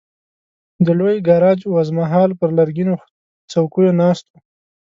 د لوی ګاراج وزمه هال پر لرګینو څوکیو ناست وو.